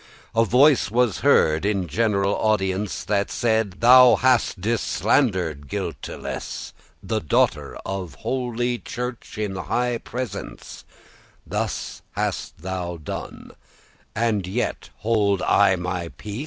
A voice was heard, in general audience, That said; "Thou hast deslander'd guilteless The daughter of holy Church in high presence; Thus hast thou done, and yet *hold I my peace?"